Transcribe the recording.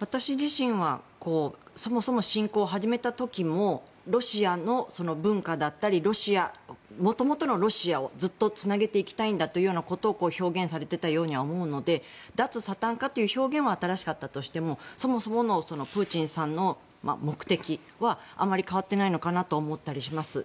私自身はそもそも侵攻を始めた時もロシアの文化だったりもともとのロシアをずっとつなげていきたいんだということを表現されていたんだと思うので脱サタン化という表現は新しかったとしても、そもそものプーチンさんの目的はあまり変わってないのかなと思ったりします。